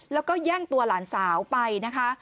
แล้วก็แย่งตัวหลานสาวไปนะคะ